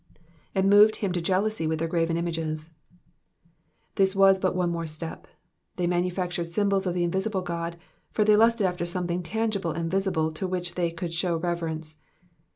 *'And moved him to jealousy with tJieir graven images.'''' This was but one more step ; they manufactured symbols of the invisible God, for they lusted after something tangible and visible to which they could shew reverence.